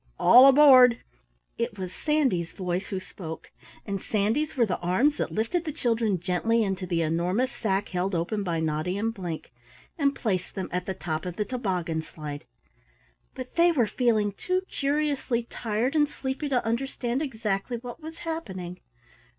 All aboard!" It was Sandy's voice who spoke and Sandy's were the arms that lifted the children gently into the enormous sack held open by Noddy and Blink, and placed them at the top of the toboggan slide but they were feeling too curiously tired and sleepy to understand exactly what was happening.